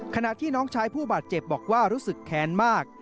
ขณะที่น้องชายผู้บาดเจ็บบอกว่ารู้สึกแค้นมาก